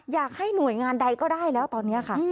อยากให้หน่วยงานใดก็ได้แล้วตอนนี้ค่ะ